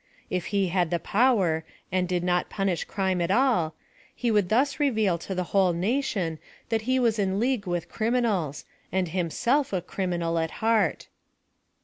If he had the power, and did not punish crime at all, he would thus reveal to the whole na tion that he was in league with criminals, and him self a criminal at heart.